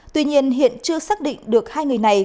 tuy nhiên hiện chưa xác định được hai người này